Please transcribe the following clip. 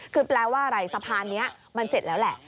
คือแปลว่าอะไรสะพานนี้มันเสร็จแล้วแหละ